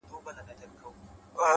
نیک چلند د دوستۍ تخم کرل دي’